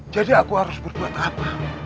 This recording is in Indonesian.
jadi aku harus berbuat apa